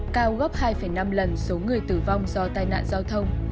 cao gấp hai năm lần số người tử vong do tai nạn giao thông